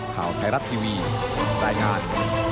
ข่าวไทยรัฐทีวีรายงาน